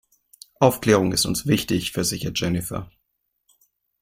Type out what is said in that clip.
Aufklärung ist uns wichtig, versichert Jennifer.